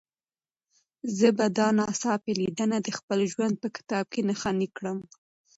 زه به دا ناڅاپي لیدنه د خپل ژوند په کتاب کې نښاني کړم.